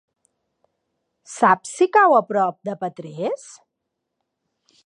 Saps si cau a prop de Petrés?